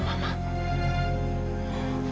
percaya deh sama mama